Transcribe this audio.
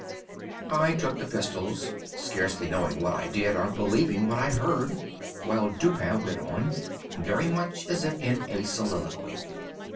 I took the pistols, scarcely knowing what I did, or believing what I heard, while Dupin went on, very much as if in a soliloquy.